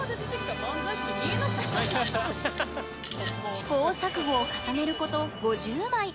試行錯誤を重ねること５０枚。